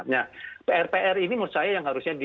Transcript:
nah pr pr ini menurut saya yang harusnya di